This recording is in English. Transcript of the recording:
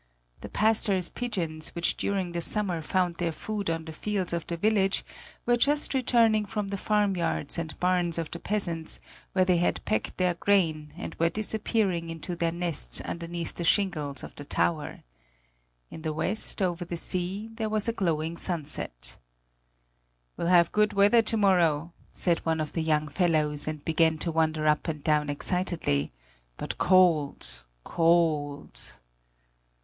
The pastor's pigeons which during the summer found their food on the fields of the village were just returning from the farmyards and barns of the peasants, where they had pecked their grain, and were disappearing into their nests underneath the shingles of the tower. In the west, over the sea, there was a glowing sunset. "We'll have good weather to morrow," said one of the young fellows, and began to wander up and down excitedly; "but cold cold."